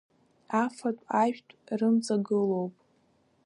Афатә-ажәтә рымҵагылоуп.